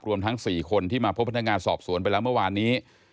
รวมทั้ง๔คนที่มาพบพนักงานสอบสวนไปแล้วเมื่อวานนี้